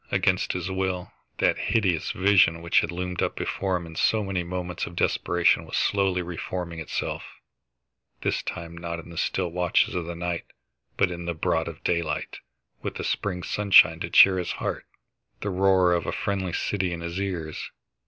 Against his will, that hideous vision which had loomed up before him in so many moments of depression was slowly reforming itself, this time not in the still watches of the night but in the broad daylight, with the spring sunshine to cheer his heart, the roar of a friendly city in his ears.